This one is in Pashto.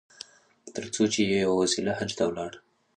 تر څو چې په یوه وسیله حج ته ولاړ.